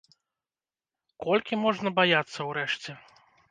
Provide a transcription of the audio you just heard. Колькі можна баяцца ўрэшце?